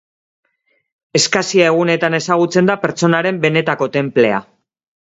Eskasia egunetan ezagutzen da pertsonaren benetako tenplea.